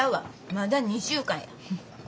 まだ２週間や。